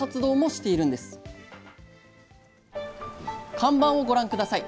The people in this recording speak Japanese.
看板をご覧下さい。